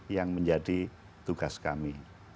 yang menjadi tugas kami